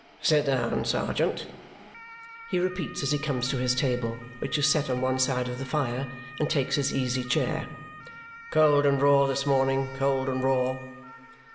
"Sit down, sergeant," he repeats as he comes to his table, which is set on one side of the fire, and takes his easy chair. "Cold and raw this morning, cold and raw!"